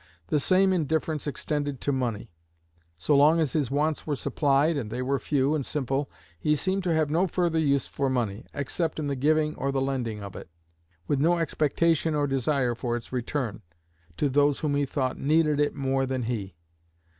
The same indifference extended to money. So long as his wants were supplied and they were few and simple he seemed to have no further use for money, except in the giving or the lending of it, with no expectation or desire for its return, to those whom he thought needed it more than he.